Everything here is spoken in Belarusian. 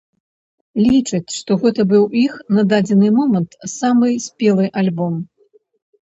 Лічаць, што гэта быў іх, на дадзены момант, самы спелы альбом.